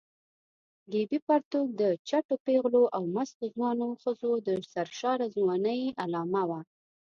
ګیبي پرتوګ د چټو پېغلو او مستو ځوانو ښځو د سرشاره ځوانۍ علامه وه.